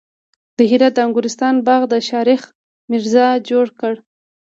د هرات د انګورستان باغ د شاهرخ میرزا جوړ کړ